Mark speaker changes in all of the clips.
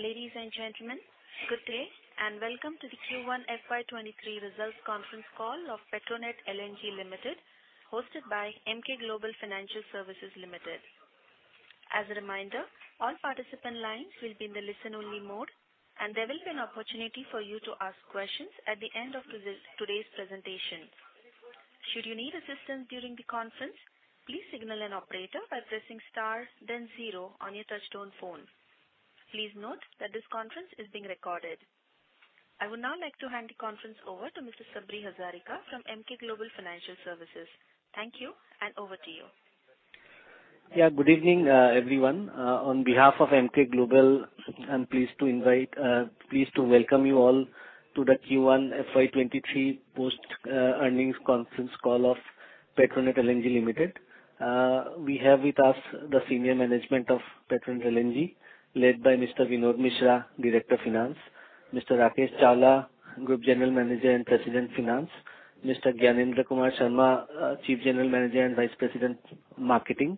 Speaker 1: Ladies and gentlemen, good day, and welcome to the Q1 FY 2023 Results Conference Call of Petronet LNG Limited, hosted by Emkay Global Financial Services Limited. As a reminder, all participant lines will be in the listen-only mode, and there will be an opportunity for you to ask questions at the end of today's presentation. Should you need assistance during the conference, please signal an operator by pressing star then zero on your touch-tone phone. Please note that this conference is being recorded. I would now like to hand the conference over to Mr. Sabri Hazarika from Emkay Global Financial Services. Thank you, and over to you.
Speaker 2: Yeah, good evening, everyone. On behalf of Emkay Global, I'm pleased to welcome you all to the Q1 FY 2023 post-earnings conference call of Petronet LNG Limited. We have with us the senior management of Petronet LNG, led by Mr. Vinod Mishra, Director Finance, Mr. Rakesh Chawla, Group General Manager and President, Finance, Mr. Gyanendra Kumar Sharma, Chief General Manager and Vice President, Marketing,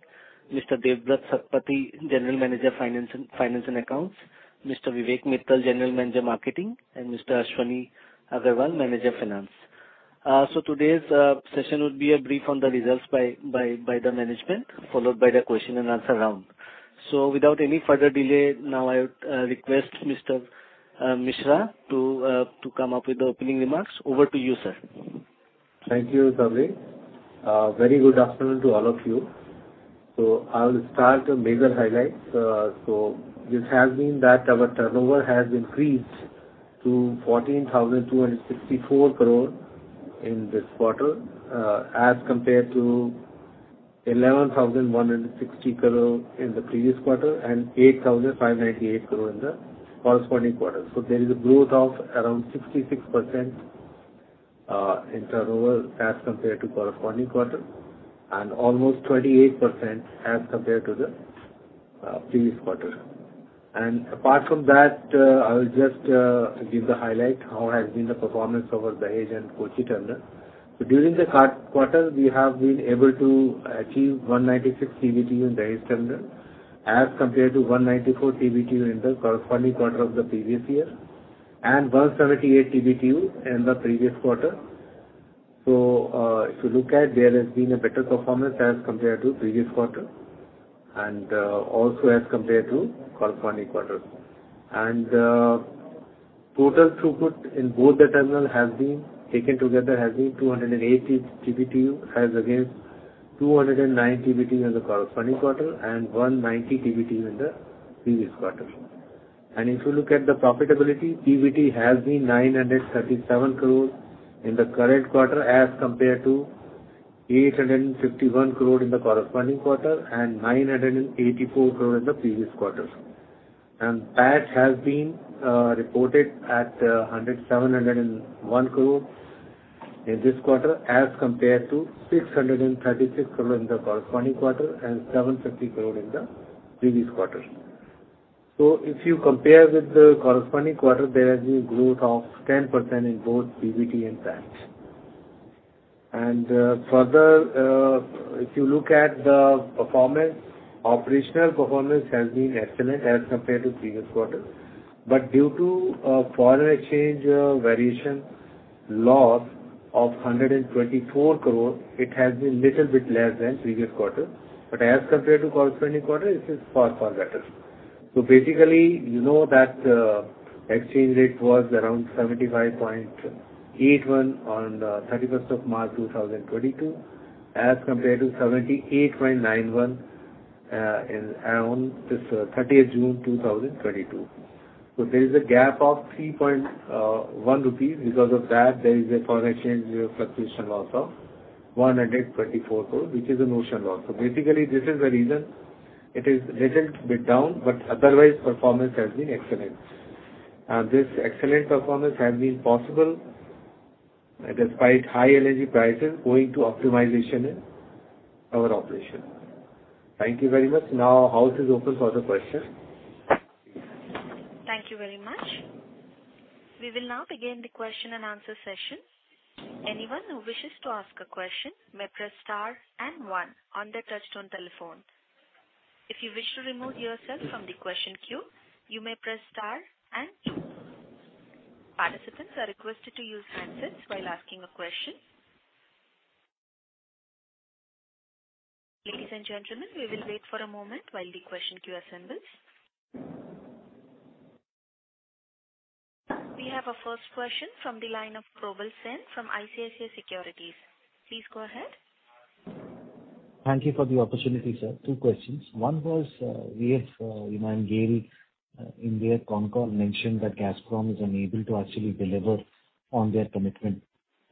Speaker 2: Mr. Debabrata Satpathy, General Manager, Finance and Accounts, Mr. Vivek Mittal, General Manager, Marketing, and Mr. Ashwani Agarwal, Manager Finance. Today's session will be a brief on the results by the management, followed by the question and answer round. Without any further delay, now I would request Mr. Mishra to come up with the opening remarks. Over to you, sir.
Speaker 3: Thank you, Sabri. Very good afternoon to all of you. I will start the major highlights. It has been that our turnover has increased to 14,264 crore in this quarter, as compared to 11,160 crore in the previous quarter, and 8,598 crore in the corresponding quarter. There is a growth of around 66% in turnover as compared to corresponding quarter, and almost 28% as compared to the previous quarter. Apart from that, I will just give the highlight, how has been the performance over Dahej and Kochi terminal. During the quarter, we have been able to achieve 196 TBTU in Dahej terminal, as compared to 194 TBTU in the corresponding quarter of the previous year, and 178 TBTU in the previous quarter. If you look at, there has been a better performance as compared to previous quarter and also as compared to corresponding quarter. Total throughput in both the terminal has been taken together, has been 280 TBTU as against 209 TBTU in the corresponding quarter and 190 TBTU in the previous quarter. If you look at the profitability, PBT has been 937 crore in the current quarter, as compared to 851 crore in the corresponding quarter, and 984 crore in the previous quarter. PAT has been reported at 701 crore in this quarter as compared to 636 crore in the corresponding quarter and 750 crore in the previous quarter. If you compare with the corresponding quarter, there has been growth of 10% in both PBT and PAT. Further, if you look at the performance, operational performance has been excellent as compared to previous quarter. Due to foreign exchange variation loss of 124 crore, it has been little bit less than previous quarter. As compared to corresponding quarter, it is far, far better. Basically, you know that exchange rate was around 75.81 on the 31st of March 2022, as compared to 78.91 in around this 30th June 2022. There is a gap of 3.1 rupees. Because of that, there is a foreign exchange fluctuation loss of 124 crore, which is a notional loss. Basically this is the reason it is little bit down, but otherwise performance has been excellent. This excellent performance has been possible despite high LNG prices owing to optimization in our operation. Thank you very much. Now, house is open for the questions.
Speaker 1: Thank you very much. We will now begin the question and answer session. Anyone who wishes to ask a question may press star and one on their touchtone telephone. If you wish to remove yourself from the question queue, you may press star and two. Participants are requested to use handsets while asking a question. Ladies and gentlemen, we will wait for a moment while the question queue assembles. We have our first question from the line of Probal Sen from ICICI Securities. Please go ahead.
Speaker 4: Thank you for the opportunity, sir. Two questions. One was, we have, you know, in GAIL, in their concall mentioned that Gazprom is unable to actually deliver on their commitment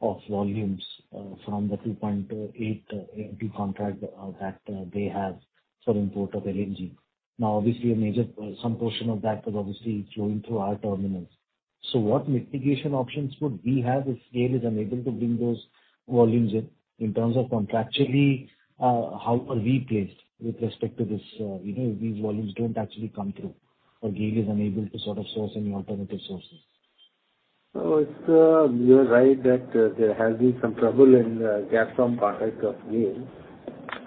Speaker 4: of volumes, from the 2.8 MT contract that they have for import of LNG. Now, obviously some portion of that was obviously flowing through our terminals. What mitigation options would we have if GAIL is unable to bring those volumes in? In terms of contractually, how are we placed with respect to this, you know, if these volumes don't actually come through or GAIL is unable to sort of source any alternative sources?
Speaker 3: You're right that there has been some trouble in the Gazprom contract of GAIL.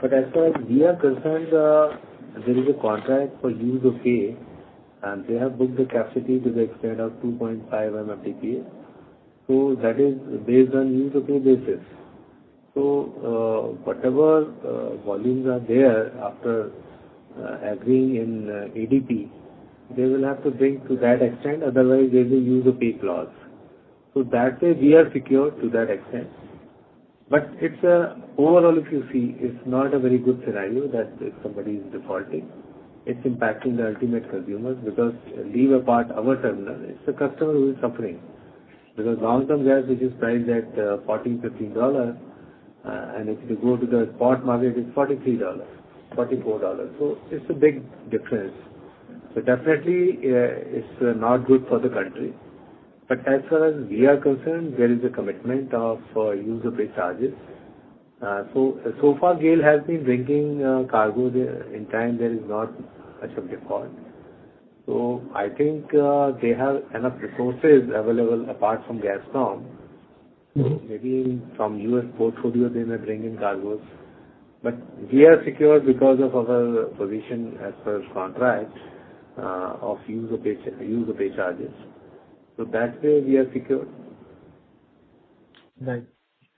Speaker 3: As far as we are concerned, there is a contract for use or pay, and they have booked the capacity to the extent of 2.5 MMTPA. That is based on use or pay basis. Whatever volumes are there after agreeing in ADP, they will have to bring to that extent, otherwise there is a use or pay clause. That way we are secure to that extent. It's overall, if you see, it's not a very good scenario that if somebody is defaulting, it's impacting the ultimate consumers because leave apart our terminal, it's the customer who is suffering. Because long-term gas, which is priced at $14-$15, and if you go to the spot market, it's $43-$44. It's a big difference. Definitely, it's not good for the country. As far as we are concerned, there is a commitment of use or pay charges. So far, GAIL has been bringing cargo there in time. There is not much of default. I think they have enough resources available apart from Gazprom. Maybe from U.S. portfolio they may bring in cargoes. We are secure because of our position as per contract, of use or pay charges. That way we are secure.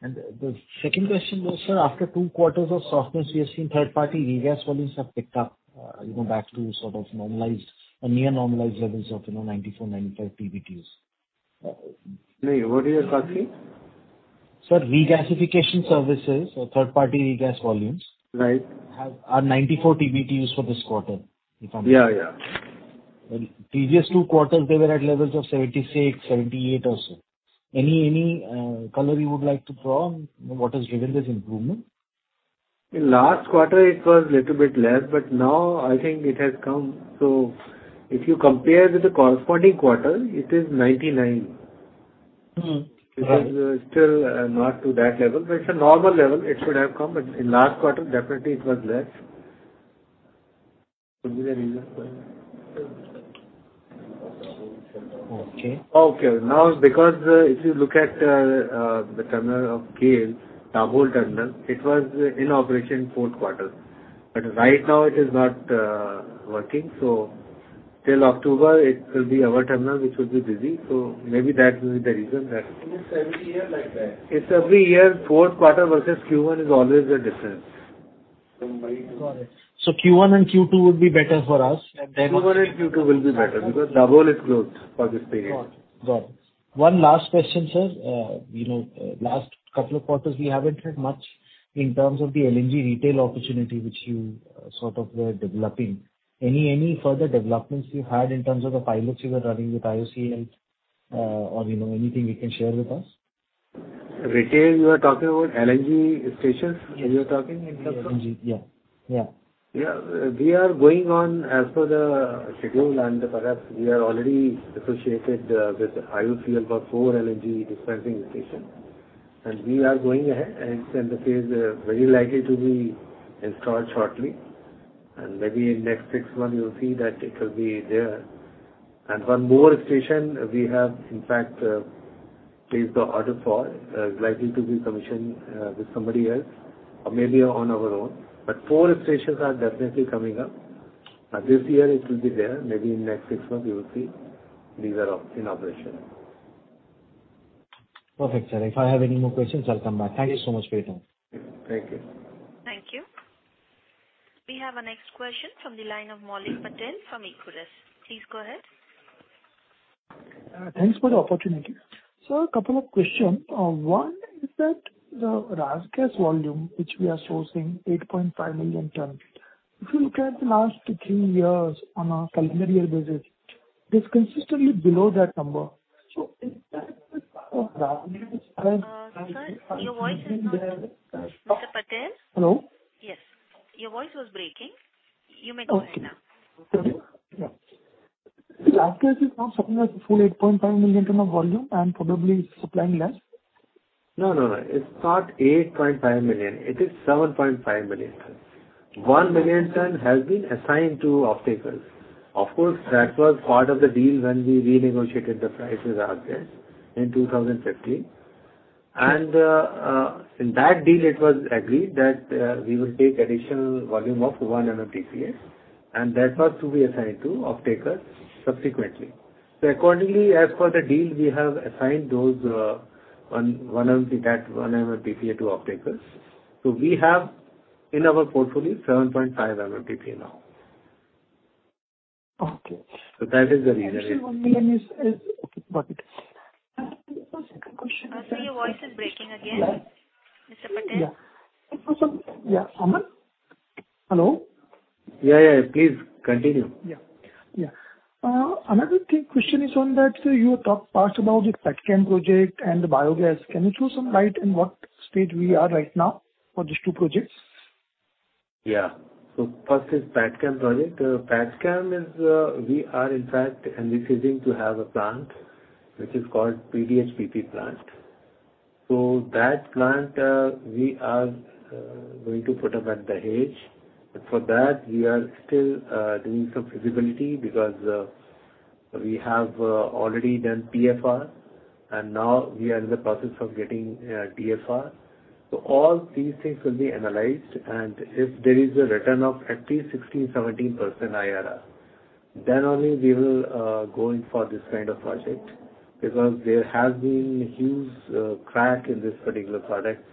Speaker 4: Right. The second question was, sir, after two quarters of softness, we have seen third-party regas volumes have picked up, back to sort of normalized or near normalized levels of 94-95 TBTUs.
Speaker 3: Sorry, what is your question?
Speaker 4: Sir, regasification services or third-party regas volumes.
Speaker 3: Right.
Speaker 4: Are 94 TBTUs for this quarter, if I'm--
Speaker 3: Yeah, yeah.
Speaker 4: Previous two quarters they were at levels of 76, 78 or so. Any color you would like to draw on what has driven this improvement?
Speaker 3: In last quarter it was little bit less, but now I think it has come. If you compare with the corresponding quarter, it is 99%. It is still not to that level, but it's a normal level. It should have come, but in last quarter definitely it was less. Could be the reason for that.
Speaker 4: Okay.
Speaker 3: Okay. Now, because if you look at the terminal of GAIL, Dabhol terminal, it was in operation fourth quarter. Right now it is not working, so till October it will be our terminal which will be busy. Maybe that will be the reason that--
Speaker 4: It is every year like that.
Speaker 3: It's every year. Fourth quarter versus Q1 is always a difference.
Speaker 4: Got it. Q1 and Q2 would be better for us than.
Speaker 3: Q1 and Q2 will be better because Dabhol is closed for this period.
Speaker 4: Got it. One last question, sir. You know, last couple of quarters we haven't heard much in terms of the LNG retail opportunity which you sort of were developing. Any further developments you had in terms of the pilots you were running with IOCL, or you know, anything you can share with us?
Speaker 3: Retail, you are talking about LNG stations in terms of?
Speaker 4: LNG. Yeah.
Speaker 3: Yeah. We are going on as per the schedule, and perhaps we are already associated with IOCL for four LNG dispensing station. We are going ahead, and it is very likely to be installed shortly. Maybe in next six months you'll see that it will be there. One more station we have in fact placed the order for. It's likely to be commissioned with somebody else or maybe on our own. Four stations are definitely coming up. This year it will be there. Maybe in next six months you will see these are in operation.
Speaker 4: Perfect, sir. If I have any more questions, I'll come back. Thank you so much for your time.
Speaker 3: Thank you.
Speaker 1: Thank you. We have our next question from the line of Maulik Patel from Equirus. Please go ahead.
Speaker 5: Thanks for the opportunity. A couple of questions. One is that the RasGas volume, which we are sourcing 8.5 million tons. If you look at the last three years on a calendar year basis, it's consistently below that number. So is that--
Speaker 1: Sir, your voice is not, Mr. Patel?
Speaker 5: Hello?
Speaker 1: Yes. Your voice was breaking. You may go ahead now.
Speaker 5: Okay. Yeah. RasGas is now supplying a full 8.5 million tons of volume and probably supplying less.
Speaker 3: No, no. It's not 8.5 million tons. It is 7.5 million tons. 1 million tons has been assigned to offtakers. Of course, that was part of the deal when we renegotiated the price with RasGas in 2015. In that deal it was agreed that we will take additional volume of 1 MMTPA, and that was to be assigned to offtakers subsequently. Accordingly, as per the deal, we have assigned those that 1 MMTPA to offtakers. We have in our portfolio 7.5 MMTPA now.
Speaker 5: Okay.
Speaker 3: That is the reason.
Speaker 5: Actually 1 million is. Okay, got it. My second question is--
Speaker 1: I see your voice is breaking again. Mr. Patel?
Speaker 5: Yeah. Aman? Hello?
Speaker 3: Yeah, yeah. Please continue.
Speaker 5: Yeah, yeah. Another thing, question is on that, so you talked about the petchem project and the biogas. Can you throw some light on what stage we are right now on these two projects?
Speaker 3: Yeah. First is petchem project. Petchem is, we are in fact envisaging to have a plant which is called PDH-PP plant. That plant, we are going to put up at Dahej. For that we are still doing some feasibility because we have already done PFR and now we are in the process of getting DFR. All these things will be analyzed and if there is a return of at least 16%-17% IRR, then only we will go in for this kind of project. Because there has been huge crack in this particular product,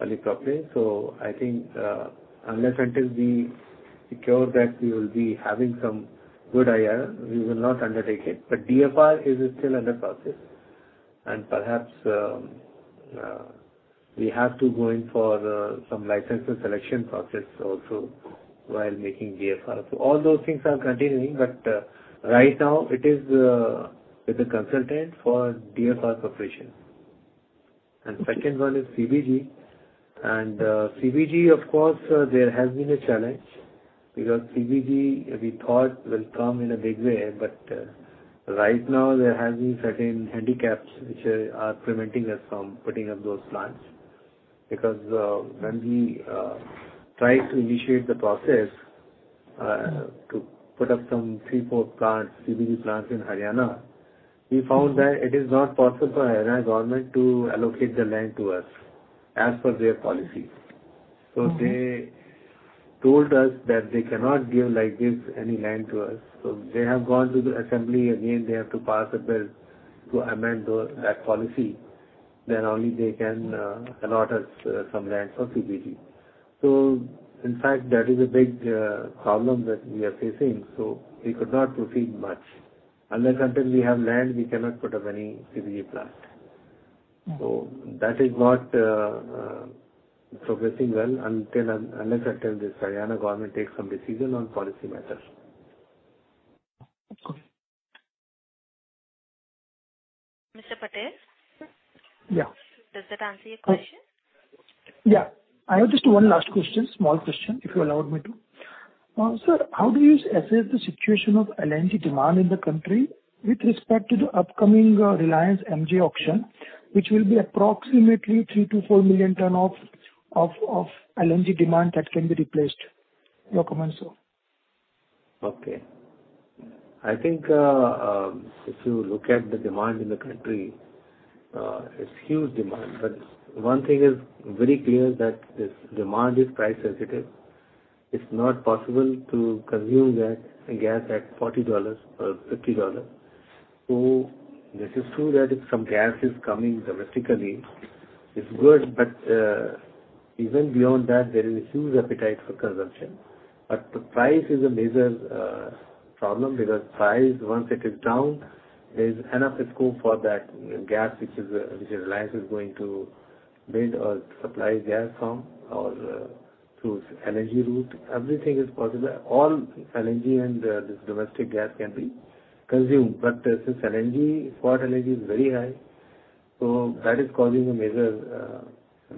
Speaker 3: polypropylene. I think, unless until we secure that we will be having some good IRR, we will not undertake it. DFR is still under process. Perhaps we have to go in for some license and selection process also while making DFR. All those things are continuing, but right now it is with a consultant for DFR completion. Second one is CBG. CBG, of course, there has been a challenge. Because CBG we thought will come in a big way, but right now there has been certain handicaps which are preventing us from putting up those plants. Because when we tried to initiate the process to put up some three-four plants, CBG plants in Haryana, we found that it is not possible for Haryana government to allocate the land to us as per their policy. They told us that they cannot give like this any land to us. They have gone to the assembly again, they have to pass a bill to amend those, that policy, then only they can allot us some land for CBG. In fact, that is a big problem that we are facing, so we could not proceed much. Unless until we have land, we cannot put up any CBG plant. That is not progressing well unless this Haryana government takes some decision on policy matters.
Speaker 5: Okay.
Speaker 1: Mr. Patel?
Speaker 3: Yeah.
Speaker 1: Does that answer your question?
Speaker 5: Yeah. I have just one last question, small question, if you allow me to. Sir, how do you assess the situation of LNG demand in the country with respect to the upcoming Reliance KG auction, which will be approximately 3 million-4 million tons of LNG demand that can be replaced. Your comments.
Speaker 3: Okay. I think, if you look at the demand in the country, it's huge demand. One thing is very clear that this demand is price sensitive. It's not possible to consume that gas at $40 or $50. This is true that if some gas is coming domestically, it's good, but even beyond that there is a huge appetite for consumption. The price is a major problem because price once it is down, there's enough scope for that gas which is Reliance is going to bid or supply gas from or through LNG route. Everything is possible. All LNG and this domestic gas can be consumed. Since LNG, spot LNG is very high, so that is causing a major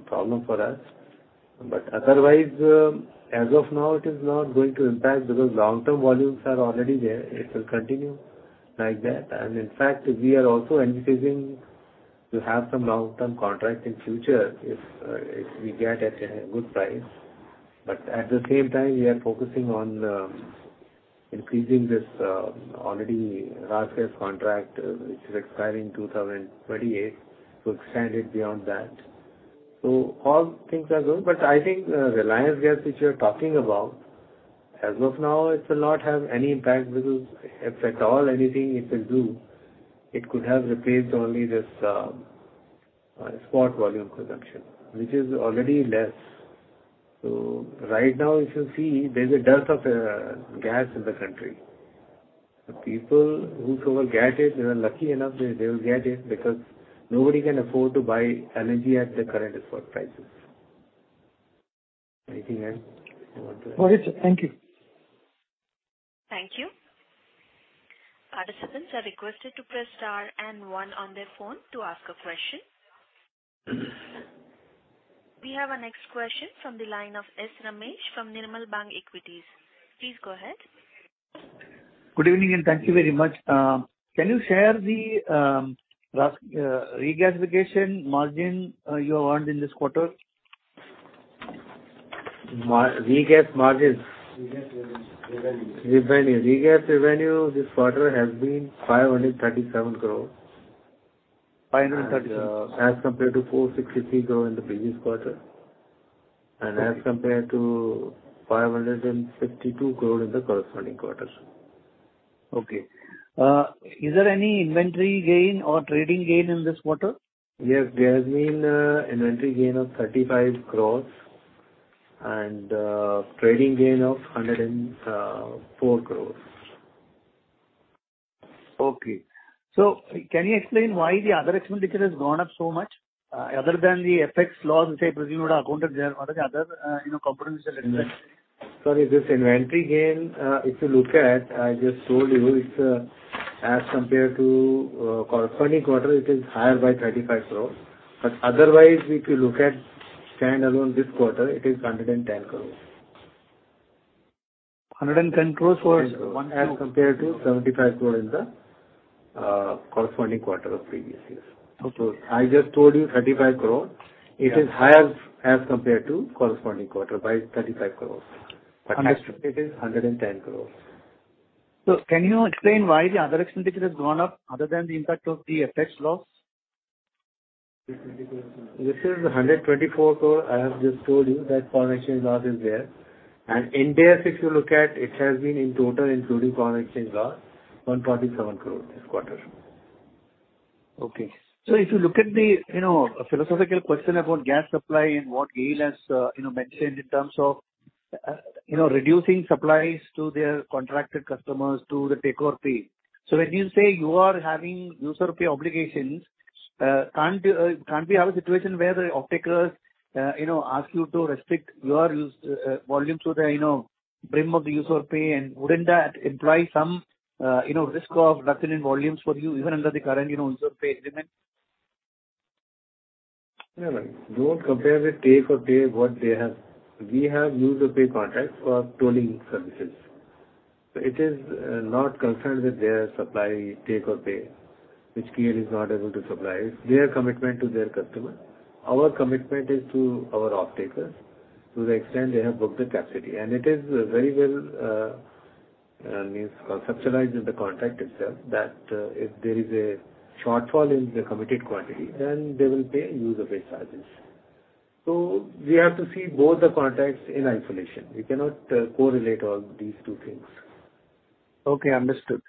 Speaker 3: problem for us. Otherwise, as of now it is not going to impact because long-term volumes are already there. It will continue like that. In fact, we are also emphasizing to have some long-term contract in future if we get at a good price. At the same time we are focusing on increasing this already RasGas contract, which is expiring in 2028, to extend it beyond that. All things are good. I think Reliance gas which you're talking about, as of now it will not have any impact. Because if at all anything it will do, it could have replaced only this spot volume production, which is already less. Right now if you see, there's a dearth of gas in the country. The people whosoever get it, they are lucky enough, they will get it because nobody can afford to buy LNG at the current spot prices. Anything else you want to ask?
Speaker 5: No, sir. Thank you.
Speaker 1: Thank you. Participants are requested to press star and one on their phone to ask a question. We have our next question from the line of S. Ramesh from Nirmal Bang Equities. Please go ahead.
Speaker 6: Good evening, and thank you very much. Can you share the regasification margin you earned in this quarter?
Speaker 3: Regas margins?
Speaker 6: Regas revenue.
Speaker 3: Revenue. Regas revenue this quarter has been 537 crore. As compared to 463 crore in the previous quarter. As compared to 552 crore in the corresponding quarter.
Speaker 6: Okay. Is there any inventory gain or trading gain in this quarter?
Speaker 3: Yes. There has been inventory gain of 35 crores and trading gain of 104 crores.
Speaker 6: Okay. Can you explain why the other expenditure has gone up so much, other than the FX loss which I presume would have accounted there. Are there other, you know, comprehensive--
Speaker 3: Sorry, this inventory gain, if you look at, I just told you it's, as compared to, corresponding quarter it is higher by 35 crores. Otherwise, if you look at standalone this quarter, it is 110 crores.
Speaker 6: 110 crores for--
Speaker 3: As compared to 75 crore in the corresponding quarter of previous years. I just told you 35 crore. It is higher as compared to corresponding quarter by 35 crores. But it is 110 crores.
Speaker 6: Can you explain why the other expenditure has gone up other than the impact of the FX loss?
Speaker 3: This is the 124 crore. I have just told you that foreign exchange loss is there. In there, if you look at, it has been in total including foreign exchange loss, 127 crore this quarter.
Speaker 6: Okay. If you look at the, you know, philosophical question about gas supply and what GAIL has, you know, mentioned in terms of, you know, reducing supplies to their contracted customers to the take-or-pay. When you say you are having use-or-pay obligations, can't we have a situation where the offtakers, you know, ask you to restrict your volume to the, you know, brim of the use-or-pay? Wouldn't that imply some, you know, risk of reduction in volumes for you even under the current, you know, use-or-pay agreement?
Speaker 3: No. Don't compare with take-or-pay what they have. We have use or pay contract for tolling services. It is not concerned with their supply take-or-pay, which GAIL is not able to supply. It's their commitment to their customer. Our commitment is to our offtakers to the extent they have booked the capacity. It is very well, I mean, conceptualized in the contract itself that, if there is a shortfall in the committed quantity, then they will pay use or pay charges. We have to see both the contracts in isolation. We cannot correlate all these two things.
Speaker 6: Okay. Understood.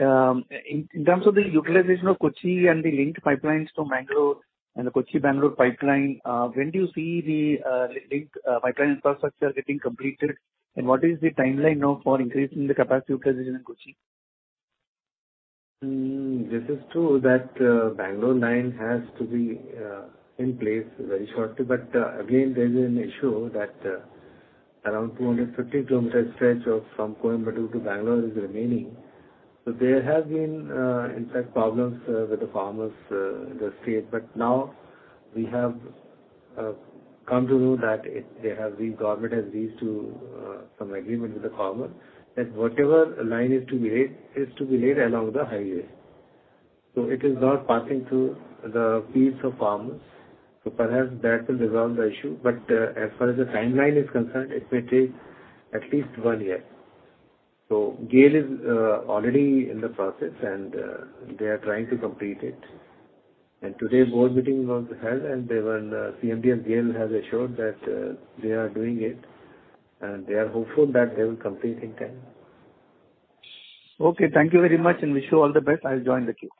Speaker 6: In terms of the utilization of Kochi and the linked pipelines to Mangalore and the Kochi, Bangalore pipeline, when do you see the linked pipeline infrastructure getting completed, and what is the timeline now for increasing the capacity utilization in Kochi?
Speaker 3: This is true that Bangalore line has to be in place very shortly. Again, there is an issue that around 250 km stretch from Coimbatore to Bangalore is remaining. There has been, in fact, problems with the farmers in the state. Now we have come to know that the government has reached some agreement with the farmers, that whatever line is to be laid is to be laid along the highway. It is not passing through the fields of farmers. Perhaps that will resolve the issue. As far as the timeline is concerned, it may take at least one year. GAIL is already in the process and they are trying to complete it. Today board meeting was held. CMD of GAIL has assured that they are doing it, and they are hopeful that they will complete in time.
Speaker 6: Okay. Thank you very much and wish you all the best. I'll join the queue.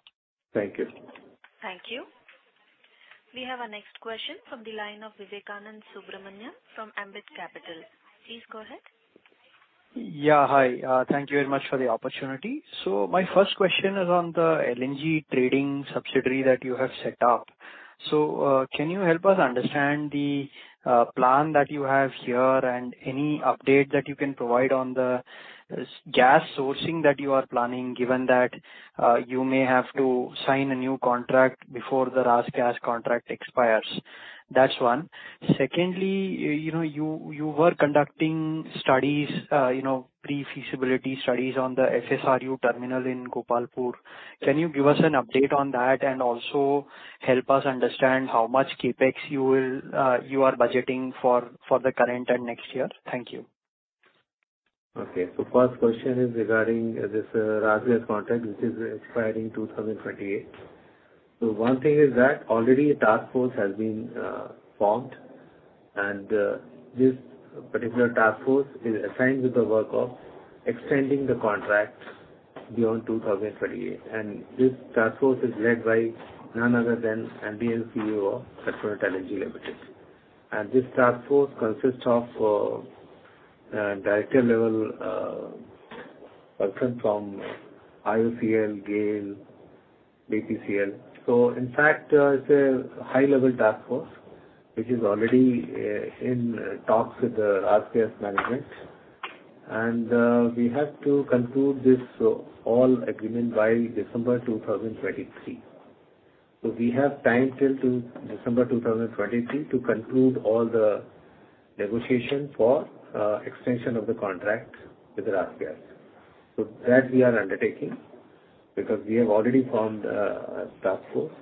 Speaker 3: Thank you.
Speaker 1: Thank you. We have our next question from the line of Vivekanand Subbaraman from Ambit Capital. Please go ahead.
Speaker 7: Yeah. Hi. Thank you very much for the opportunity. My first question is on the LNG trading subsidiary that you have set up. Can you help us understand the plan that you have here and any update that you can provide on the spot gas sourcing that you are planning, given that you may have to sign a new contract before the RasGas contract expires? That's one. Secondly, you know, you were conducting studies, you know, pre-feasibility studies on the FSRU terminal in Gopalpur. Can you give us an update on that and also help us understand how much CapEx you are budgeting for the current and next year? Thank you.
Speaker 3: Okay. First question is regarding this RasGas contract, which is expiring in 2028. One thing is that already a task force has been formed, and this particular task force is assigned with the work of extending the contract beyond 2028. This task force is led by none other than MD & CEO of Petronet LNG Limited. This task force consists of a director level person from IOCL, GAIL, BPCL. In fact, it's a high level task force which is already in talks with the RasGas management. We have to conclude this agreement by December 2023. We have time till December 2023 to conclude the negotiation for extension of the contract with RasGas. We are undertaking because we have already formed a task force.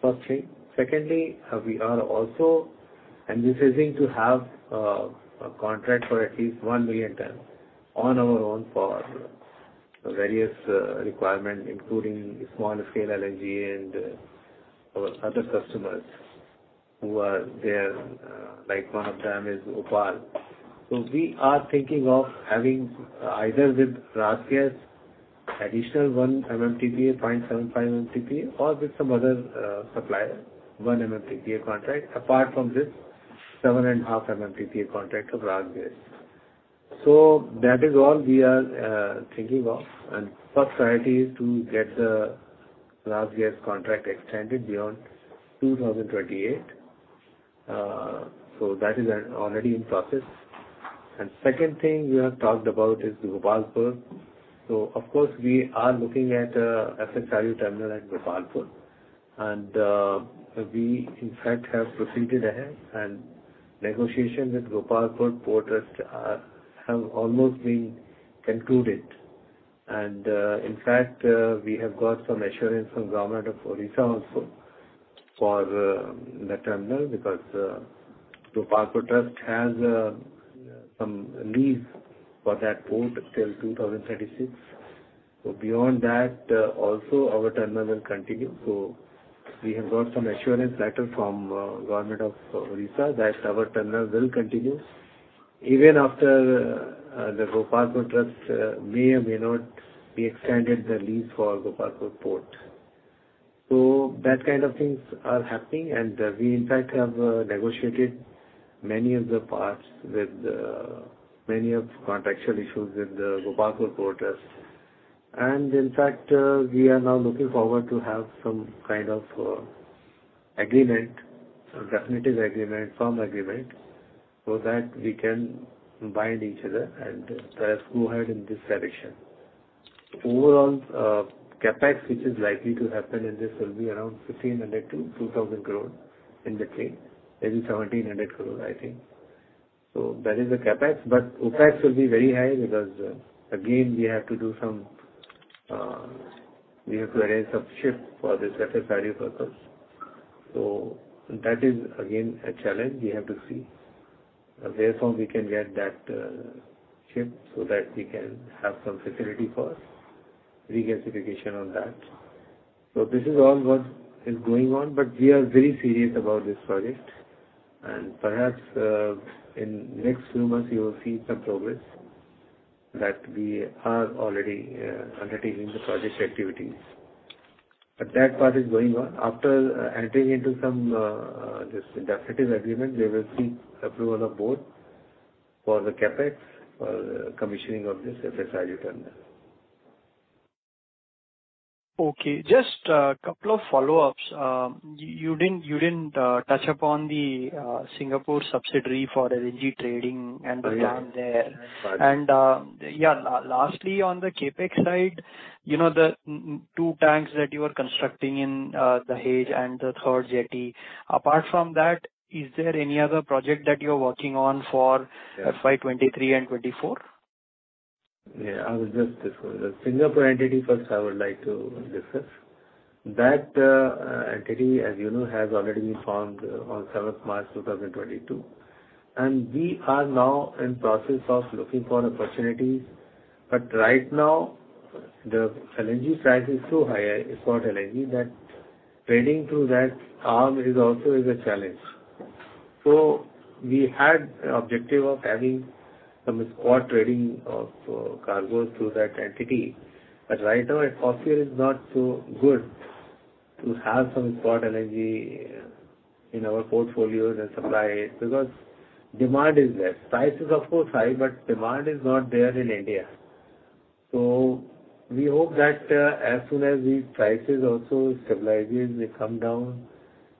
Speaker 3: First thing. Secondly, we are also envisaging to have a contract for at least 1 million ton on our own for various requirement, including small scale LNG and our other customers who are there, like one of them is OPaL. We are thinking of having either with RasGas additional 1 MMTPA, 0.75 MMTPA, or with some other supplier, 1 MMTPA contract apart from this 7.5 MMTPA contract of RasGas. That is all we are thinking of. First priority is to get the RasGas contract extended beyond 2028. That is already in process. Second thing you have talked about is the Gopalpur. Of course, we are looking at FSRU terminal at Gopalpur. We in fact have proceeded ahead, and negotiations with Gopalpur Port Trust have almost been concluded. In fact, we have got some assurance from Government of Odisha also for that terminal, because Gopalpur Port Trust has some lease for that port till 2036. Beyond that, also our terminal will continue. We have got some assurance letter from Government of Odisha that our terminal will continue even after the Gopalpur Port Trust may or may not be extended the lease for Gopalpur Port. That kind of things are happening. We in fact have negotiated many of the parts with many of contractual issues with the Gopalpur Port Trust. In fact, we are now looking forward to have some kind of, agreement, a definitive agreement, firm agreement, so that we can bind each other and, go ahead in this direction. Overall, CapEx, which is likely to happen in this, will be around 1,500 crore-2,000 crore in between. Maybe 1,700 crore, I think. That is the CapEx. But OpEx will be very high because, again, we have to arrange some ship for this FSRU purpose. That is again a challenge. We have to see, where from we can get that, ship so that we can have some facility for regasification on that. This is all what is going on, but we are very serious about this project. Perhaps, in next few months you will see some progress that we are already undertaking the project activities. But that part is going on. After entering into some this definitive agreement, we will seek approval of board for the CapEx, for the commissioning of this FSRU terminal.
Speaker 7: Okay. Just a couple of follow-ups. You didn't touch upon the Singapore subsidiary for LNG trading and the plan there.
Speaker 3: Oh, yeah.
Speaker 7: Lastly on the CapEx side, you know, the two tanks that you are constructing in Dahej and the third jetty. Apart from that, is there any other project that you're working on for FY 2023 and 2024?
Speaker 3: The Singapore entity first I would like to discuss. That entity, as you know, has already been formed on 7 March 2022, and we are now in process of looking for opportunities. Right now, the LNG price is so high, export LNG, that trading through that arm is also a challenge. We had objective of having some export trading of cargos through that entity. Right now, the cost here is not so good to have some export energy in our portfolio, the supply, because demand is less. Price is of course high, but demand is not there in India. We hope that as soon as these prices also stabilizes, they come down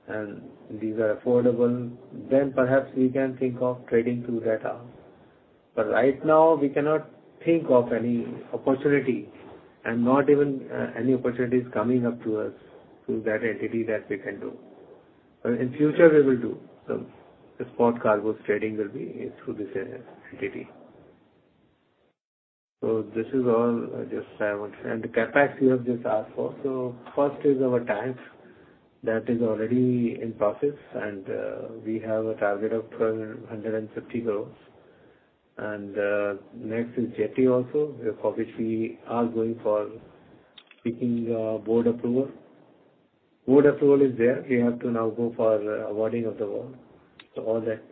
Speaker 3: and these are affordable, then perhaps we can think of trading through that arm. Right now, we cannot think of any opportunity and not even any opportunities coming up to us through that entity that we can do. In future we will do. Some export cargos trading will be through this entity. This is all just I want. The CapEx you have just asked for. First is our tanks. That is already in process, and we have a target of 1,250 crores. Next is jetty also. Yeah, obviously, we are going for seeking board approval. Board approval is there. We have to now go for awarding of the work. All that.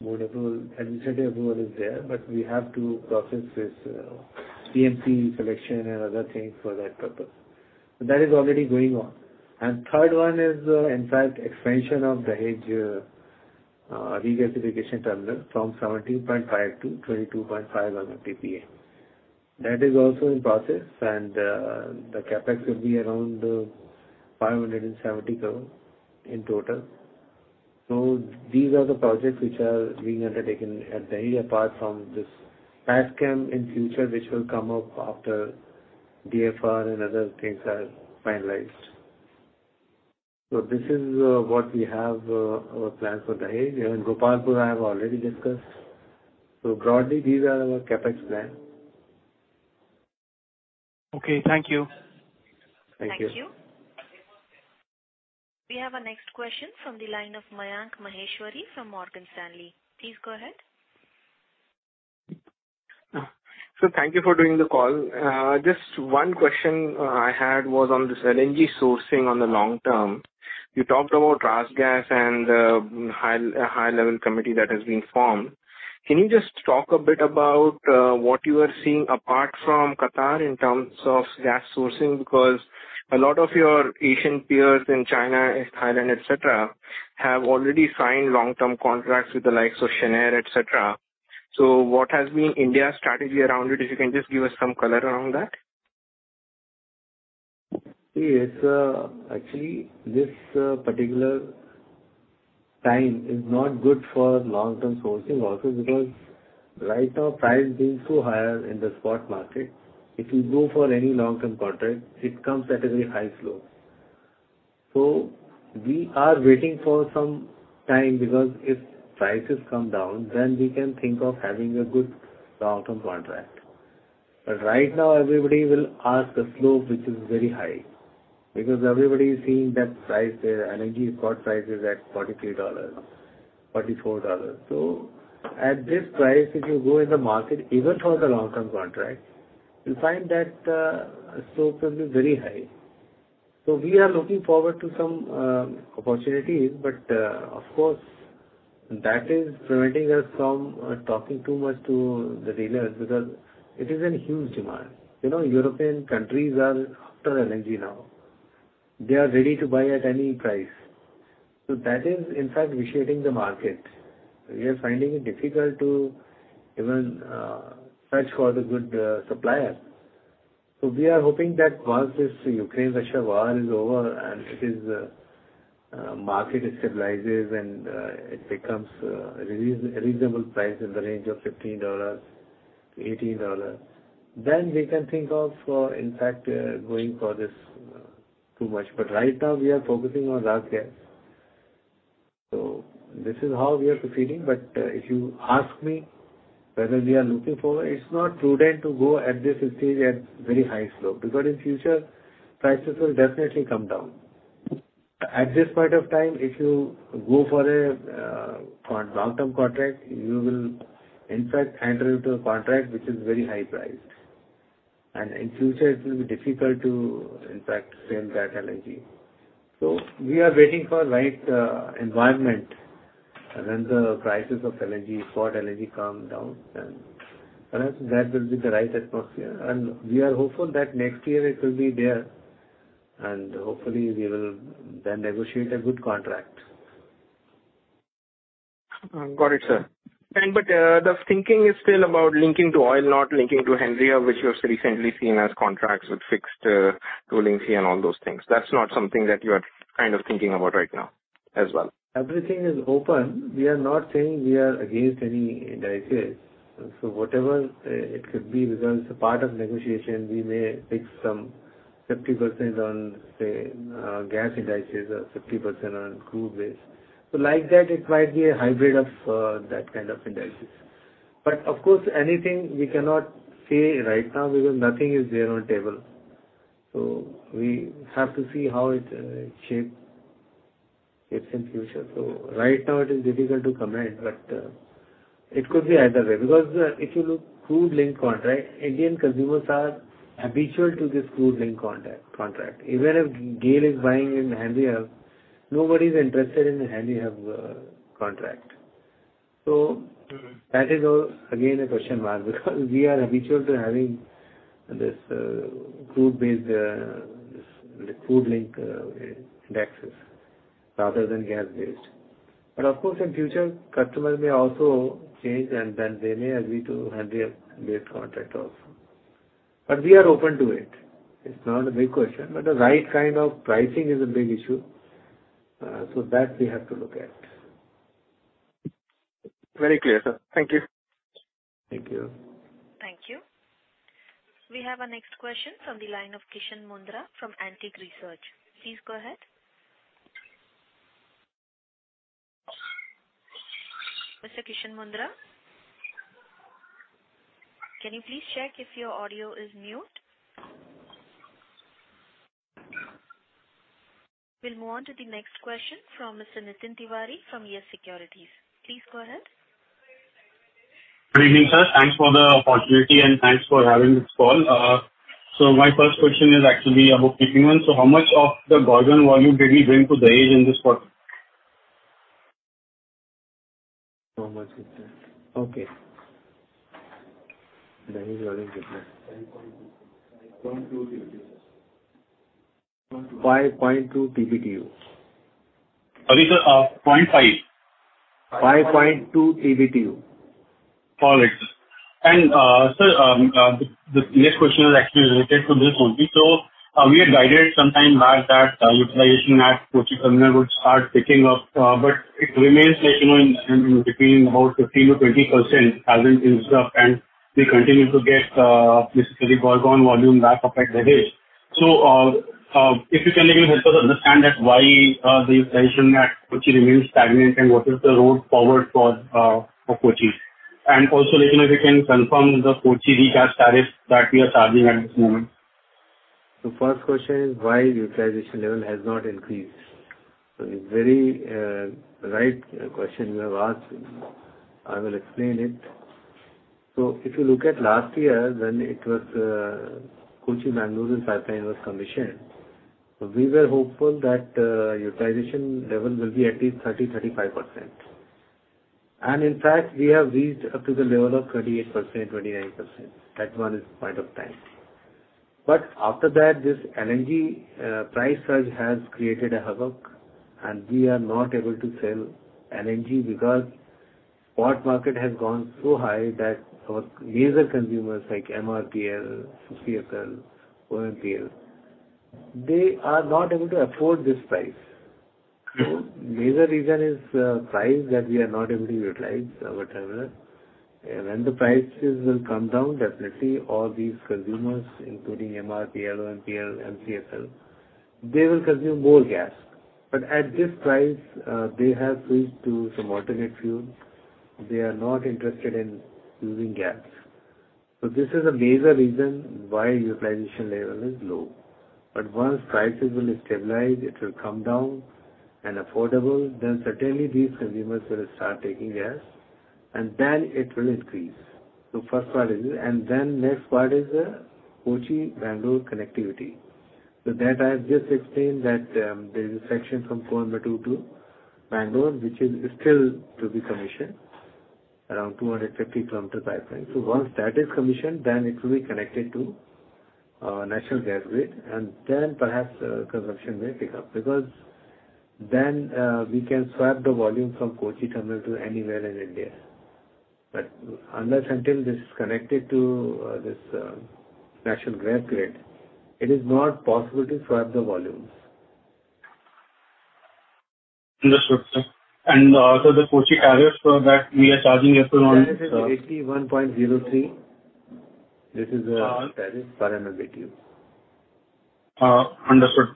Speaker 3: Board approval, administrative approval is there, but we have to process this EPC selection and other things for that purpose. That is already going on. Third one is, in fact, expansion of Dahej regasification terminal from 17.5 million to 22.5 million TPA. That is also in process, and the CapEx will be around 570 crore in total. These are the projects which are being undertaken at Dahej apart from this that can in future, which will come up after DFR and other things are finalized. This is what we have our plans for Dahej. Gopalpur, I have already discussed. Broadly, these are our CapEx plans.
Speaker 7: Okay, thank you.
Speaker 3: Thank you.
Speaker 1: Thank you. We have our next question from the line of Mayank Maheshwari from Morgan Stanley. Please go ahead.
Speaker 8: Sir, thank you for doing the call. Just one question I had was on this LNG sourcing on the long term. You talked about RasGas and a high-level committee that has been formed. Can you just talk a bit about what you are seeing apart from Qatar in terms of gas sourcing? Because a lot of your Asian peers in China, Thailand, et cetera, have already signed long-term contracts with the likes of Cheniere, et cetera. What has been India's strategy around it, if you can just give us some color around that.
Speaker 3: Yes. Actually, this particular time is not good for long-term sourcing also, because right now price being so higher in the spot market, if you go for any long-term contract, it comes at a very high slope. We are waiting for some time because if prices come down, then we can think of having a good long-term contract. Right now everybody will ask a slope which is very high, because everybody is seeing that price, energy spot price is at $43, $44. At this price, if you go in the market even for the long-term contract, you'll find that, slope will be very high. We are looking forward to some opportunities, but, of course, that is preventing us from talking too much to the dealers because it is in huge demand. You know, European countries are after LNG now. They are ready to buy at any price. That is, in fact, vitiating the market. We are finding it difficult to even search for the good supplier. We are hoping that once this Ukraine-Russia war is over and the market stabilizes and it becomes a reasonable price in the range of $15-$18, then we can think of, in fact, going for this too much. Right now we are focusing on gas. This is how we are proceeding. If you ask me whether we are looking for, it's not prudent to go at this stage at very high slope, because in future prices will definitely come down. At this point of time, if you go for a long-term contract, you will in fact enter into a contract which is very high priced. In future it will be difficult to, in fact, sell that LNG. We are waiting for right environment. When the prices of LNG, spot LNG come down, then perhaps that will be the right atmosphere. We are hopeful that next year it will be there, and hopefully we will then negotiate a good contract.
Speaker 8: I've got it, sir. The thinking is still about linking to oil, not linking to Henry Hub, which you have recently seen as contracts with fixed, rolling fee and all those things. That's not something that you are kind of thinking about right now as well.
Speaker 3: Everything is open. We are not saying we are against any indices. Whatever, it could be, because part of negotiation, we may fix some 50% on, say, gas indices or 50% on crude-based. Like that it might be a hybrid of, that kind of indices. Of course, anything we cannot say right now because nothing is there on table. We have to see how it shapes in future. Right now it is difficult to comment, but, it could be either way, because, if you look crude-linked contract, Indian consumers are habitual to this crude-linked contract. Even if GAIL is buying in Henry Hub, nobody's interested in Henry Hub contract. That is all again a question mark, because we are habitual to having this crude-based this crude link indexes rather than gas-based. Of course, in future customers may also change and then they may agree to Henry Hub-based contract also. We are open to it. It's not a big question, but the right kind of pricing is a big issue. That we have to look at.
Speaker 8: Very clear, sir. Thank you.
Speaker 3: Thank you.
Speaker 1: Thank you. We have our next question from the line of Kishan Mundhra from Antique Research. Please go ahead. Mr. Kishan Mundhra, can you please check if your audio is mute? We'll move on to the next question from Mr. Nitin Tiwari from Yes Securities. Please go ahead.
Speaker 9: Good evening, sir. Thanks for the opportunity and thanks for having this call. My first question is actually about pipeline. How much of the Gorgon volume did we bring to Dahej in this quarter?
Speaker 3: How much is that? Okay. Dahej volume is that.
Speaker 10: 5.2 TBTUs.
Speaker 9: Pardon me, sir. 0.5?
Speaker 3: 5.2 TBTU.
Speaker 9: Got it. Sir, the next question is actually related to this only. We had guided some time back that utilization at Kochi terminal would start picking up, but it remains, like, you know, in between about 15%-20%, hasn't increased up, and we continue to get basically Gorgon volume back up at Dahej. If you can maybe help us understand why the utilization at Kochi remains stagnant and what is the road forward for Kochi? Also let me know if you can confirm the Kochi regas tariff that we are charging at this moment.
Speaker 3: The first question is why utilization level has not increased. It's very, right question you have asked. I will explain it. If you look at last year when it was, Kochi, Mangalore pipeline was commissioned, we were hopeful that, utilization level will be at least 30%-35%. In fact, we have reached up to the level of 28%-29%. At one point of time. After that, this LNG price surge has created a havoc, and we are not able to sell LNG because spot market has gone so high that our major consumers, like MRPL, CPCL, OPaL. They are not able to afford this price. Major reason is, price that we are not able to utilize, or whatever. When the prices will come down, definitely all these consumers, including MRPL, OMPL and CSL, they will consume more gas. At this price, they have switched to some alternate fuel. They are not interested in using gas. This is a major reason why utilization level is low. Once prices will stabilize, it will come down and affordable, then certainly these consumers will start taking gas, and then it will increase. First part is. Next part is the Kochi-Bangalore connectivity. That I have just explained that, there's a section from Coimbatore to Mangalore, which is still to be commissioned, around 250 km pipeline. Once that is commissioned, then it will be connected to national gas grid, and then perhaps consumption may pick up because then we can swap the volume from Kochi terminal to anywhere in India. Unless until this is connected to this national gas grid, it is not possible to swap the volumes.
Speaker 9: Understood, sir. Also, the Kochi tariffs for that, we are charging as per.
Speaker 3: Tariff is 81.03. This is tariff per MMBtu.
Speaker 9: Understood.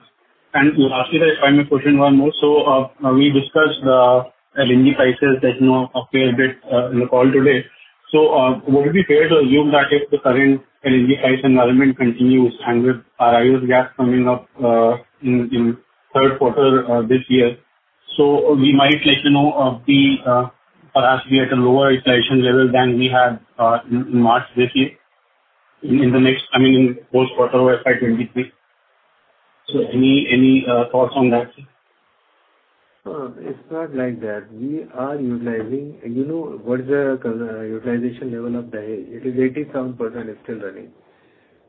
Speaker 9: Lastly, if I may put in one more. We discussed LNG prices that, you know, appear a bit in the call today. Would it be fair to assume that if the current LNG price environment continues and with our ONGC gas coming up in third quarter this year, we might like to know the perhaps we are at a lower utilization level than we had in March this year, in the next, I mean, in fourth quarter of FY 2023. Any thoughts on that?
Speaker 3: It's not like that. We are utilizing. You know what is the current utilization level of Dahej? It is 87% is still running.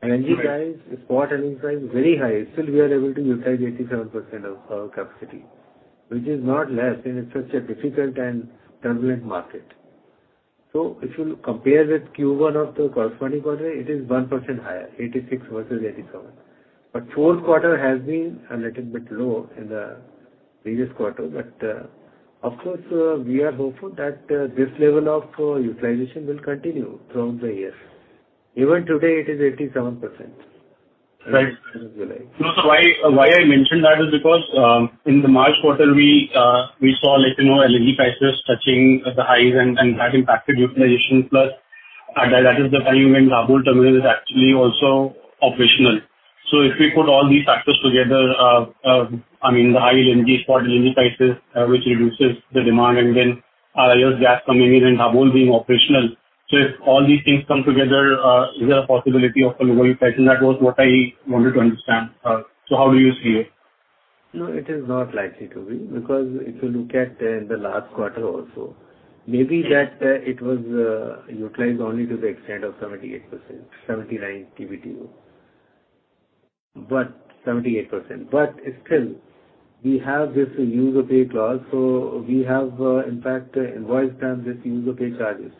Speaker 3: LNG price, spot LNG price is very high. Still we are able to utilize 87% of our capacity, which is not less in such a difficult and turbulent market. If you compare with Q1 of the corresponding quarter, it is 1% higher, 86% versus 87%. Fourth quarter has been a little bit low in the previous quarter. Of course, we are hopeful that this level of utilization will continue throughout the year. Even today it is 87%.
Speaker 9: Right. No, why I mentioned that is because in the March quarter we saw, like, you know, LNG prices touching the highs and that impacted utilization plus that is the time when Dabhol terminal is actually also operational. If we put all these factors together, I mean, the high LNG spot LNG prices which reduces the demand and then our RasGas coming in and Dabhol being operational. If all these things come together, is there a possibility of a lower utilization? That was what I wanted to understand. How do you see it?
Speaker 3: No, it is not likely to be, because if you look at the last quarter also, it was utilized only to the extent of 78%, 79 TBTU. Still we have this use or pay clause. We have in fact invoiced them this use or pay charges,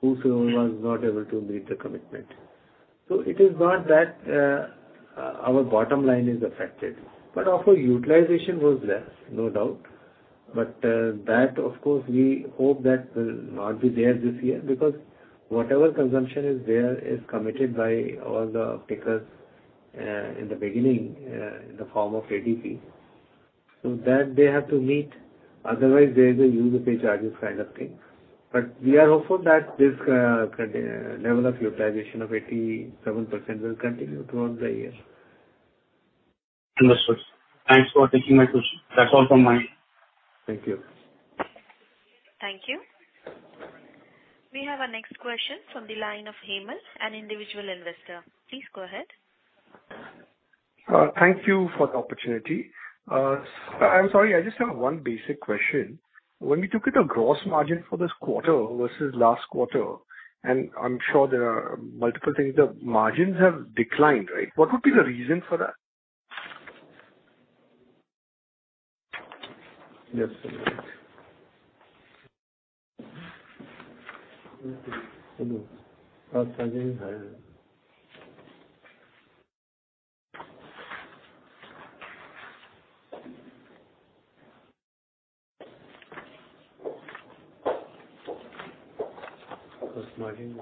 Speaker 3: whosoever was not able to meet the commitment. It is not that our bottom line is affected, but also utilization was less, no doubt. That of course, we hope that will not be there this year because whatever consumption is there is committed by all the offtakers in the beginning in the form of ADP. That they have to meet, otherwise there is a use or pay charges kind of thing. We are hopeful that this level of utilization of 87% will continue throughout the year.
Speaker 9: Understood. Thanks for taking my question. That's all from my end.
Speaker 3: Thank you.
Speaker 1: Thank you. We have our next question from the line of Hemal, an individual investor. Please go ahead.
Speaker 11: Thank you for the opportunity. I'm sorry, I just have one basic question. When we look at the gross margin for this quarter versus last quarter, and I'm sure there are multiple things, the margins have declined, right? What would be the reason for that?
Speaker 3: Just a minute. Gross margin?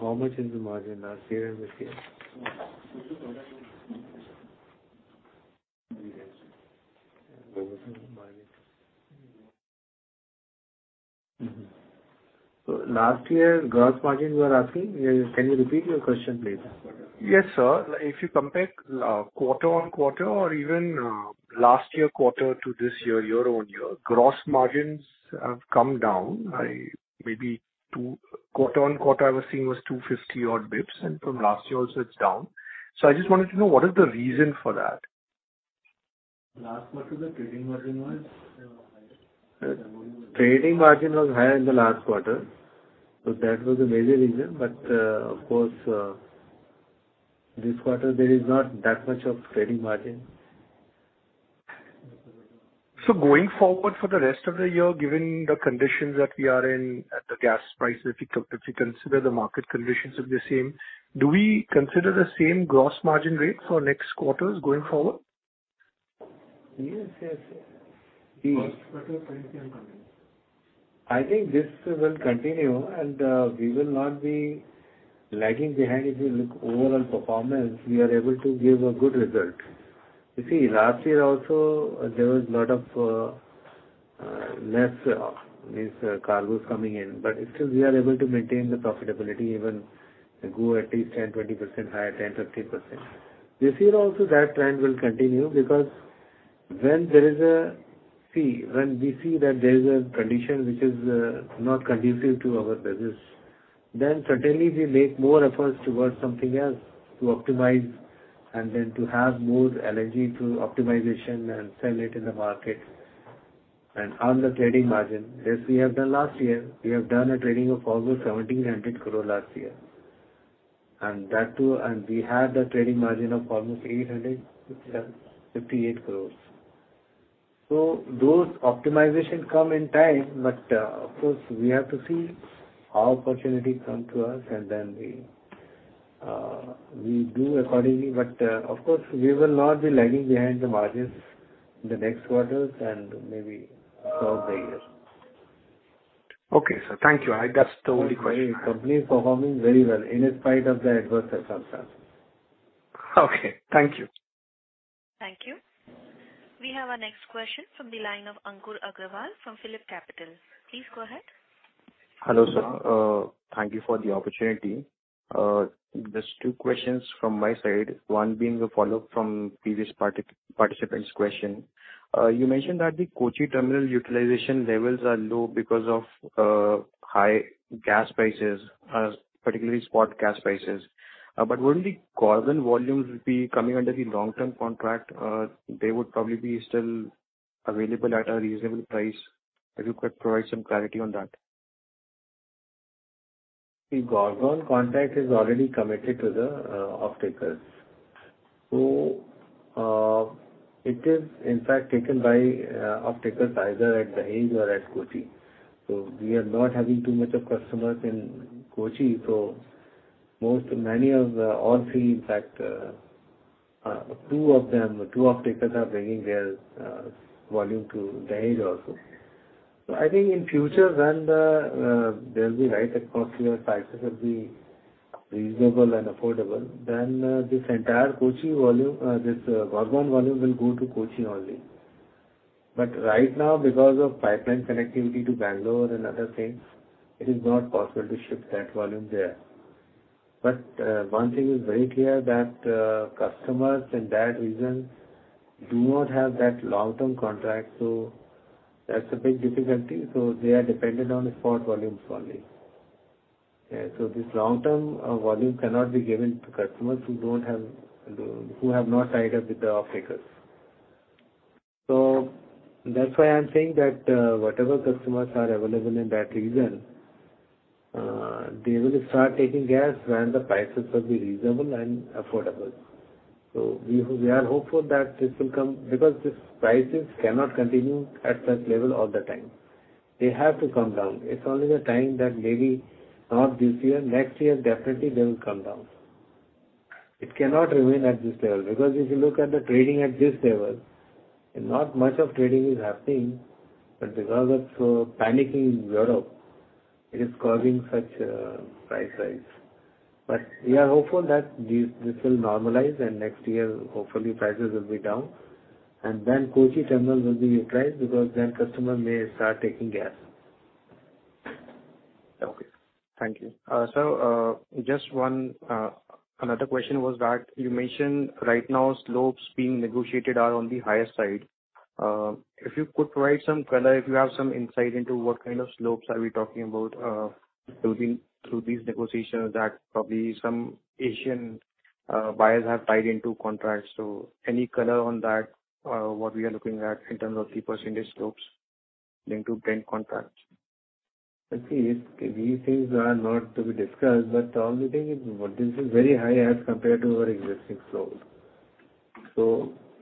Speaker 3: How much is the margin last year and this year? Last year gross margins you are asking? Can you repeat your question, please?
Speaker 11: Yes, sir. If you compare quarter-on-quarter or even last year quarter to this year year-on-year, gross margins have come down by maybe two. Quarter-on-quarter I was seeing was odd 250 bps, and from last year also it's down. I just wanted to know what is the reason for that.
Speaker 10: Last quarter the trading margin was.
Speaker 3: Trading margin was higher in the last quarter, so that was a major reason. Of course, this quarter there is not that much of trading margin.
Speaker 11: Going forward for the rest of the year, given the conditions that we are in at the gas prices, if you consider the market conditions to be same, do we consider the same gross margin rate for next quarters going forward?
Speaker 3: Yes, yes.
Speaker 11: The--
Speaker 3: I think this will continue, and we will not be lagging behind. If you look at overall performance, we are able to give a good result. You see, last year also there was lot of less cargos coming in, but still we are able to maintain the profitability even go at least 10%-20% higher, 10%-15%. This year also that trend will continue because when we see that there is a condition which is not conducive to our business, then certainly we make more efforts towards something else to optimize and then to have more LNG through optimization and sell it in the market and earn the trading margin as we have done last year. We have done a trading of almost 1,700 crore last year, and that too, and we had a trading margin of almost 858 crores. Those optimization come in time, but, of course, we have to see how opportunity come to us and then we do accordingly. Of course, we will not be lagging behind the margins in the next quarters and maybe throughout the year.
Speaker 11: Okay, sir. Thank you. That's the only question I had.
Speaker 3: Company is performing very well in spite of the adverse circumstances.
Speaker 11: Okay. Thank you.
Speaker 1: Thank you. We have our next question from the line of Ankur Agrawal from PhillipCapital. Please go ahead.
Speaker 12: Hello, sir. Thank you for the opportunity. Just two questions from my side. One being a follow-up from previous participant's question. You mentioned that the Kochi terminal utilization levels are low because of high gas prices, particularly spot gas prices. Wouldn't the Gorgon volumes be coming under the long-term contract? They would probably be still available at a reasonable price. If you could provide some clarity on that.
Speaker 3: The Gorgon contract is already committed to the off-takers. It is in fact taken by off-takers either at Dahej or at Kochi. We are not having too much of customers in Kochi, so most of the off-takers, in fact two of them, are bringing their volume to Dahej also. I think in future when there'll be high regas cost here, prices will be reasonable and affordable, then this entire Kochi volume, this Gorgon volume will go to Kochi only. Right now, because of pipeline connectivity to Bengaluru and other things, it is not possible to ship that volume there. One thing is very clear that customers in that region do not have that long-term contract, so that's a big difficulty. They are dependent on the port volumes only. Yeah. This long-term volume cannot be given to customers who have not tied up with the off-takers. That's why I'm saying that whatever customers are available in that region, they will start taking gas when the prices will be reasonable and affordable. We are hopeful that this will come because these prices cannot continue at such level all the time. They have to come down. It's only the time that maybe not this year, next year, definitely they will come down. It cannot remain at this level because if you look at the trading at this level, and not much of trading is happening, but because of panicking in Europe, it is causing such price rise. We are hopeful that this will normalize and next year hopefully prices will be down. Then Kochi terminal will be utilized because then customers may start taking gas.
Speaker 12: Okay. Thank you. Sir, just one another question was that you mentioned right now slopes being negotiated are on the higher side. If you could provide some color, if you have some insight into what kind of slopes are we talking about, through these negotiations that probably some Asian buyers have tied into contracts. Any color on that, what we are looking at in terms of the percentage slopes linked to Brent contracts?
Speaker 3: Let's see. These things are not to be discussed, but only thing is what this is very high as compared to our existing slopes.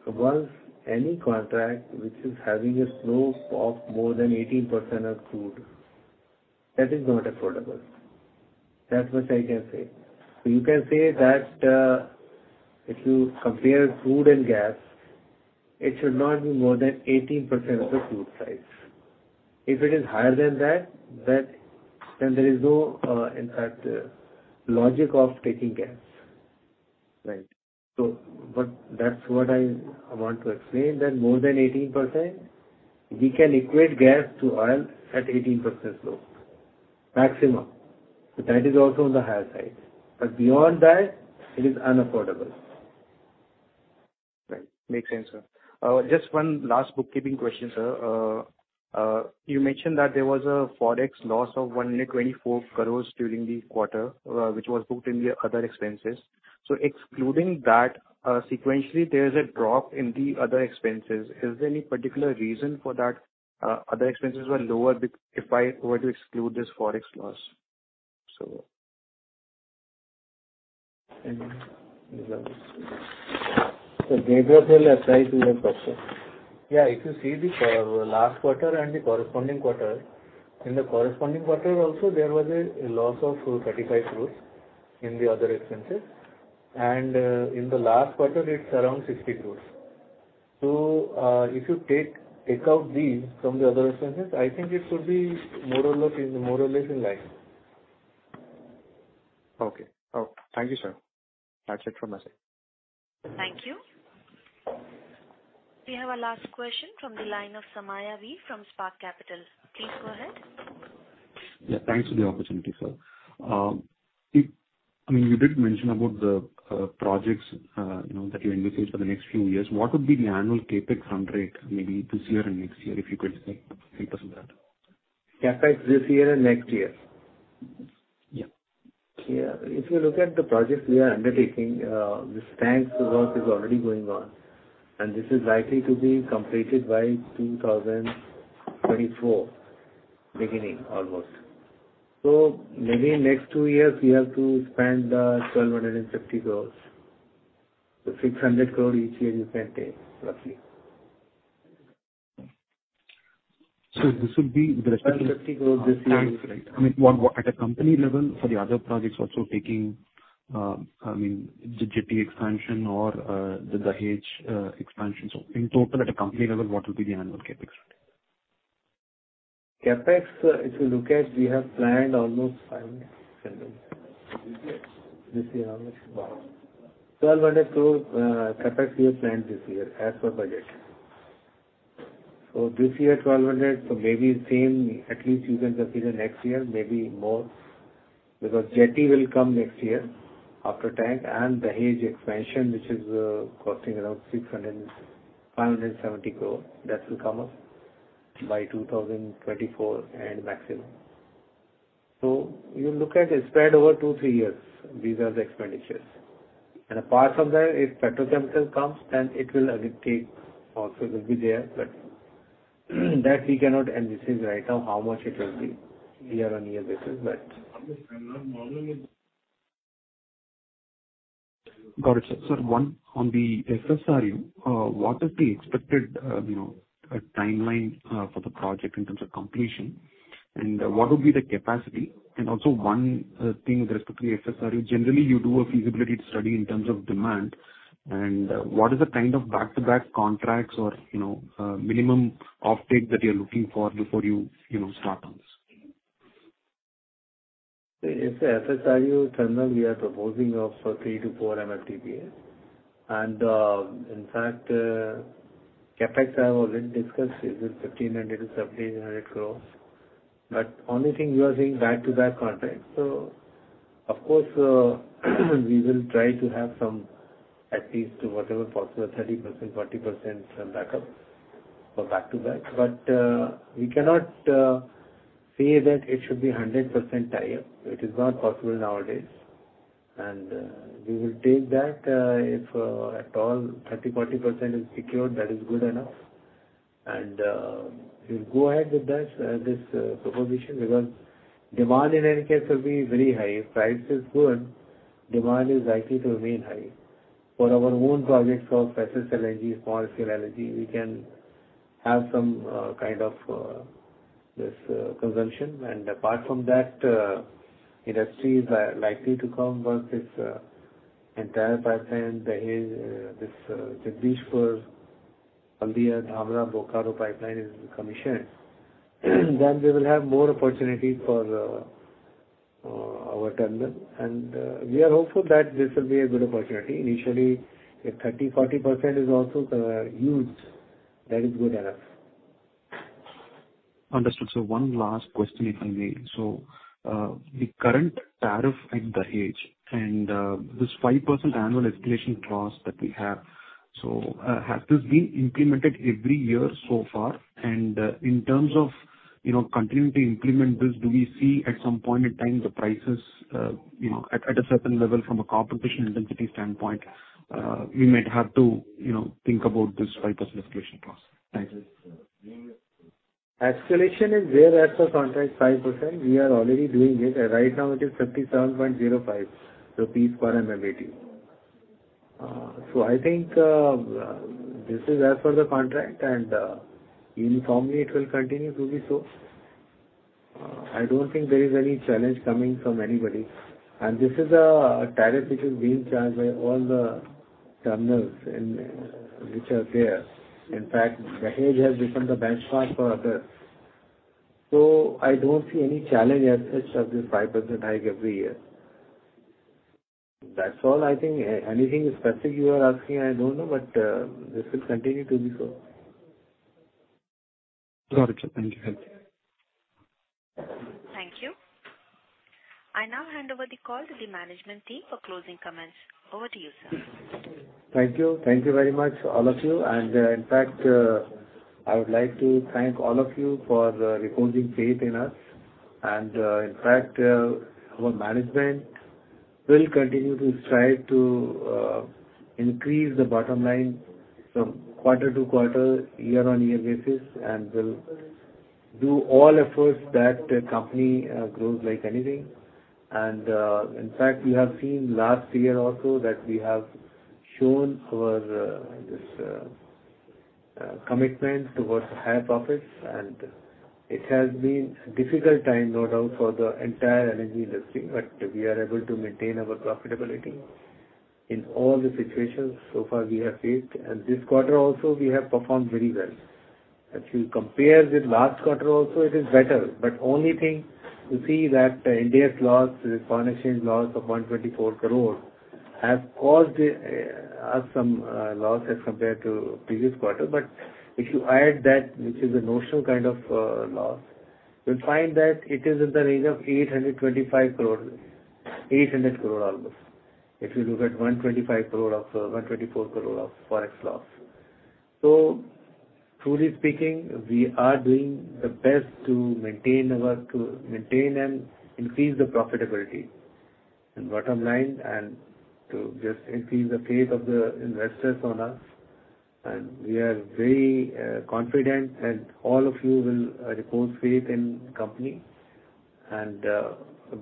Speaker 3: Once any contract which is having a slope of more than 18% of crude, that is not affordable. That much I can say. You can say that, if you compare crude and gas, it should not be more than 18% of the crude price. If it is higher than that, then there is no, in fact, logic of taking gas. Right. That's what I want to explain, that more than 18% we can equate gas to oil at 18% slope, maximum. That is also on the higher side. Beyond that, it is unaffordable.
Speaker 12: Right. Makes sense, sir. Just one last bookkeeping question, sir. You mentioned that there was a forex loss of 124 crore during the quarter, which was booked in the other expenses. Excluding that, sequentially, there's a drop in the other expenses. Is there any particular reason for that? Other expenses were lower if I were to exclude this forex loss.
Speaker 3: Gajraj will reply to that question.
Speaker 10: Yeah, if you see the last quarter and the corresponding quarter, in the corresponding quarter also there was a loss of 35 crores in the other expenses. In the last quarter, it's around 60 crores. If you take out these from the other expenses, I think it could be more or less, more or less in line.
Speaker 12: Okay. Oh, thank you, sir. That's it from my side.
Speaker 1: Thank you. We have our last question from the line of Somaiah V from Spark Capital. Please go ahead.
Speaker 13: Yeah, thanks for the opportunity, sir. I mean, you did mention about the projects, you know, that you anticipate for the next few years. What would be the annual CapEx run rate maybe this year and next year, if you could say a few percent of that?
Speaker 3: CapEx this year and next year?
Speaker 13: Yeah.
Speaker 3: Yeah. If you look at the projects we are undertaking, this tank work is already going on, and this is likely to be completed by 2024, beginning almost. Maybe next two years we have to spend 1,250 crore. 600 crore each year you can take roughly.
Speaker 13: This would be--
Speaker 3: INR 1,250 crore this year.
Speaker 13: I mean, what at a company level for the other projects also taking, I mean, the jetty expansion or, the Dahej expansion. In total, at a company level, what will be the annual CapEx?
Speaker 3: CapEx, if you look at, we have planned almost 500 crores. This year how much? 1,200 crores, CapEx we have planned this year as per budget. This year, 1,200 crore. Maybe same, at least you can consider next year, maybe more, because jetty will come next year after tank. Dahej expansion, which is, costing around 657 crores, that will come up by 2024 end maximum. You look at it spread over two, three years. These are the expenditures. Apart from that, if petrochemical comes, then it will again take, also will be there. That we cannot anticipate right now how much it will be year-on-year basis.
Speaker 13: Got it. One on the FSRU, what is the expected, you know, timeline for the project in terms of completion? What would be the capacity? Also one thing with respect to FSRU, generally you do a feasibility study in terms of demand, and what is the kind of back-to-back contracts or, you know, minimum offtake that you're looking for before you know, start on this?
Speaker 3: The FSRU terminal we are proposing of 3-4 MMTPA. In fact, CapEx I have already discussed is 1,500 crores-1,700 crores. Only thing you are saying back-to-back contract. Of course, we will try to have some at least to whatever possible, 30%-40% backup for back-to-back. We cannot say that it should be 100% tie-up. It is not possible nowadays. We will take that if at all 30%-40% is secured, that is good enough. We'll go ahead with this proposition because demand in any case will be very high. If price is good, demand is likely to remain high. For our own projects of special LNG, small scale LNG, we can have some kind of this consumption. Apart from that, industries are likely to come once this entire pipeline, Dahej, this, Jagdishpur-Haldia & Bokaro-Dhamra Pipeline is commissioned then we will have more opportunity for our terminal. We are hopeful that this will be a good opportunity. Initially if 30%-40% is also used, that is good enough.
Speaker 13: Understood. One last question, if I may. The current tariff at Dahej and this 5% annual escalation clause that we have, so has this been implemented every year so far? In terms of, you know, continuing to implement this, do we see at some point in time the prices, you know, at a certain level from a competition intensity standpoint, we might have to, you know, think about this 5% escalation clause? Thanks.
Speaker 3: Escalation is there as per contract, 5%. We are already doing it. Right now it is INR 57.05 per MMBtu. I think this is as per the contract and uniformly it will continue to be so. I don't think there is any challenge coming from anybody. This is a tariff which is being charged by all the terminals which are there. In fact, Dahej has become the benchmark for others. I don't see any challenge as such of this 5% hike every year. That's all I think. Anything specific you are asking, I don't know. This will continue to be so.
Speaker 13: Got it, sir. Thank you.
Speaker 1: Thank you. I now hand over the call to the management team for closing comments. Over to you.
Speaker 3: Thank you. Thank you very much, all of you. In fact, I would like to thank all of you for reposing faith in us. In fact, our management will continue to strive to increase the bottom line from quarter to quarter, year on year basis. We'll do all efforts that the company grows like anything. In fact, you have seen last year also that we have shown our commitment towards high profits. It has been difficult time, no doubt, for the entire energy industry, but we are able to maintain our profitability in all the situations so far we have faced. This quarter also we have performed very well. If you compare with last quarter also, it is better. Only thing you see that India's loss, foreign exchange loss of 124 crore has caused some losses compared to previous quarter. If you add that, which is a notional kind of loss, you'll find that it is in the range of 825 crore, 800 crore almost. If you look at 124 crore of Forex loss. Truly speaking, we are doing the best to maintain and increase the profitability and bottom line and to just increase the faith of the investors on us. We are very confident that all of you will repose faith in company.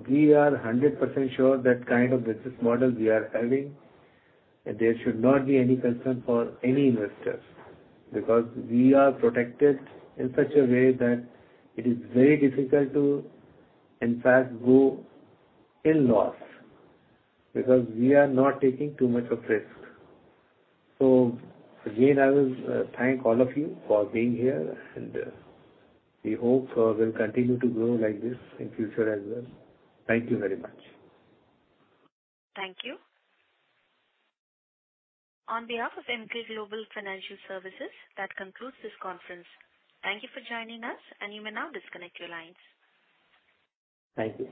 Speaker 3: We are 100% sure that kind of business model we are having, there should not be any concern for any investor, because we are protected in such a way that it is very difficult to, in fact, go in loss, because we are not taking too much of risk. Again, I will thank all of you for being here, and we hope we'll continue to grow like this in future as well. Thank you very much.
Speaker 1: Thank you. On behalf of Emkay Global Financial Services, that concludes this conference. Thank you for joining us, and you may now disconnect your lines.
Speaker 3: Thank you.